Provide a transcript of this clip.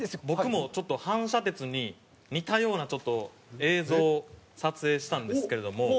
僕もちょっと反射鉄に似たような映像を撮影したんですけれども。